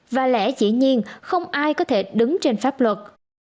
và lẽ dĩ nhiên không ai có thể đứng trên pháp luật